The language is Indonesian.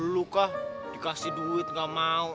lu kah dikasih duit gak mau